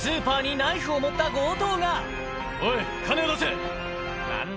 スーパーにナイフを持った強盗が。